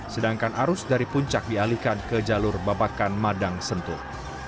sedangkan arus dari puncak dialihkan ke jalur babakan madang sentul